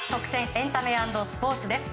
エンタメ＆スポーツです。